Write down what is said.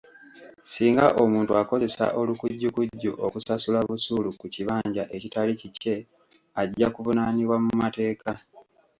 Ssinga omuntu akozesa olukujjukujju okusasula busuulu ku kibanja ekitali kikye, ajja kuvunaanibwa mu mateeka.